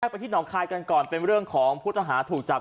ไปที่หนองคายกันก่อนเป็นเรื่องของผู้ต้องหาถูกจับ